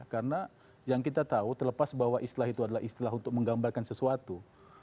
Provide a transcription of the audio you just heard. karena yang kita tahu terlepas bahwa istilah itu adalah istilah untuk menggambarkan sesuatu